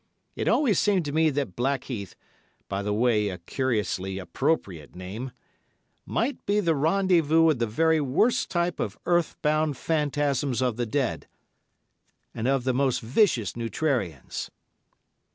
It always seemed to me that Blackheath—by the way a curiously appropriate name—might be the rendezvous of the very worst type of earth bound phantasms of the dead, and of the most vicious neutrarians.